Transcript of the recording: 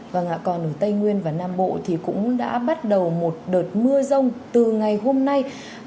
vâng ạ còn ở tây nguyên và nam bộ thì cũng đã bắt đầu một đợt mưa rông từ ngày hôm nay